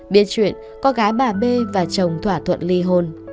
biết chuyện cô gái bà b và chồng thỏa thuận ly hôn